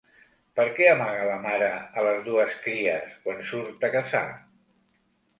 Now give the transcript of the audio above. Per què amaga la mare a les dues cries quan surt a caçar?